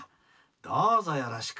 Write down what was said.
どうぞよろしく」。